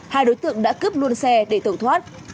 hai đối tượng đã cướp luôn xe để tẩu thoát